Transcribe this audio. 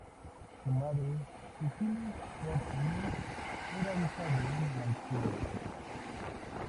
Su madre, Cecile Fort-Meu, era hija de un banquero.